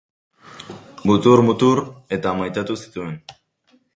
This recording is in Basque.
Mutur! Mutur!, eta maitatu zituen.